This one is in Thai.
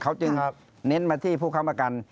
เขาจึงเน้นมาที่ผู้ค้ำประกัน